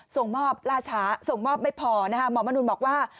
ส่งมอบล่าช้าส่งมอบไม่พอนะคะหมอมนุนบอกว่า